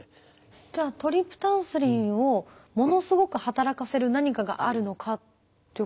じゃあトリプタンスリンをものすごく働かせる何かがあるのかということですか？